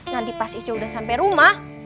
nanti pas ice udah sampe rumah